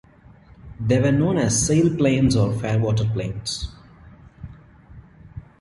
They were known as sail planes or fairwater planes.